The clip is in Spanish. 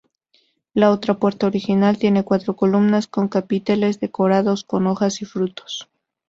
La otra puerta original tiene cuatro columnas, con capiteles decorados con hojas y frutos.